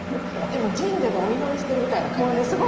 でも神社でお祈りしてるみたいな感じですよね。